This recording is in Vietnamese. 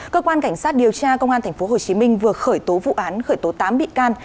cơ quan cảnh sát điều tra công an tp hcm vừa khởi tố vụ án khởi tố tám bị can